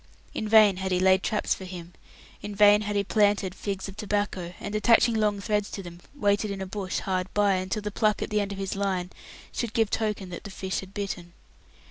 In vain had he laid traps for him; in vain had he "planted" figs of tobacco, and attached long threads to them, waited in a bush hard by, until the pluck at the end of his line should give token that the fish had bitten.